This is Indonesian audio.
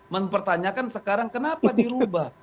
mempertanyakan sekarang kenapa dirubah